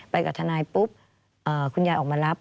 ไปกับทนายปุ๊บคุณยายออกมารับ